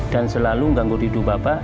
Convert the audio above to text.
dan selalu mengganggu hidup bapak